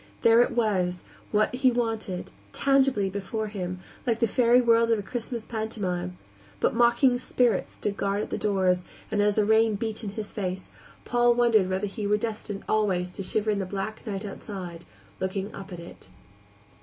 There it was, what he wanted tangibly before him, like the fairy world of a Christmas pantomime but mocking spirits stood guard at the doors, and, as the rain beat in his face, Paul wondered whether he were destined always to shiver in the black night outside, looking up at it.